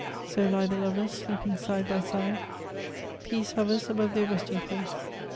So lie the lovers, sleeping side by side. Peace hovers above their resting place.